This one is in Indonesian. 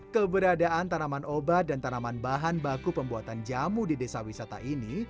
keberadaan tanaman obat dan tanaman bahan baku pembuatan jamu di desa wisata ini